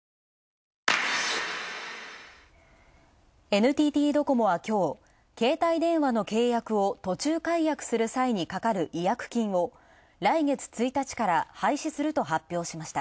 ＮＴＴドコモは今日、携帯電話の契約を途中解約する際にかかる違約金を来月１日から廃止すると発表。